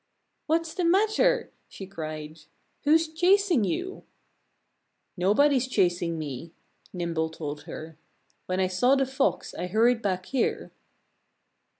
"What's the matter?" she cried. "Who's chasing you?" "Nobody's chasing me," Nimble told her. "When I saw the Fox I hurried back here."